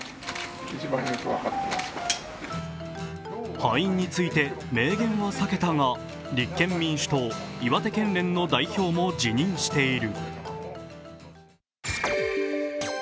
敗因について明言を避けたが、立憲民主党岩手県連の代表も辞任している。